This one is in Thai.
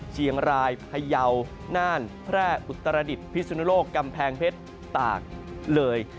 เชียงรายพยาวน่านแพร่อุตรดิษฐพิสุนโลกกำแพงเพชรตากเลย